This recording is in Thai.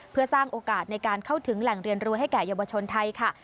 เพื่อสร้างโอกาสในการเข้าถึงแหล่งเรียนรู้ให้แก่เยาวชนไทยค่ะ